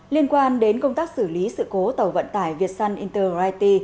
liên quan đến công tác xử lý sự cố tàu vận tải việt sun intergrity